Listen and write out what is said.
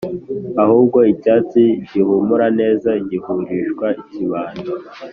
ahubwo icyatsi gihumura neza gihurishwa ikibando